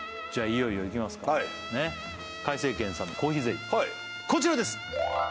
いよいよいきますか快生軒さんのコーヒーゼリーこちらです！